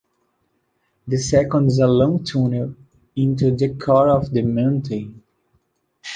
The second is a long tunnel into the core of the mountain.